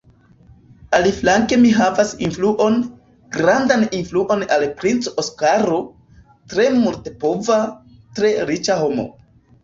Aliflanke mi havas influon, grandan influon al princo Oskaro, tre multepova, tre riĉa homo.